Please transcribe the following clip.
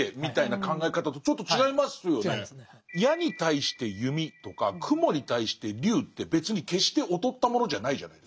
矢に対して弓とか雲に対して龍って別に決して劣ったものじゃないじゃないですか。